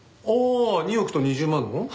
ああ２億と２０万の？